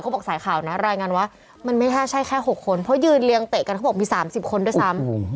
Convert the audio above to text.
บอกสายข่าวนะรายงานว่ามันไม่ใช่แค่๖คนเพราะยืนเรียงเตะกันเขาบอกมี๓๐คนด้วยซ้ำ